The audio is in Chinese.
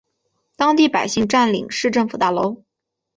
当地百姓占领市政府大楼。